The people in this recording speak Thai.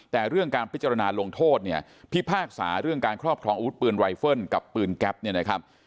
แต่เรื่องการพิจารณาลงโทษเนี่ยพิพากษาเรื่องการครอบครองอาวุธปืนไวเฟิลกับปืนแก๊ปเนี่ยนะครับ